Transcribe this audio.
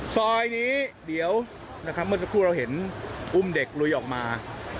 ซอยนี้เดี๋ยวนะครับเมื่อสักครู่เราเห็นอุ้มเด็กลุยออกมา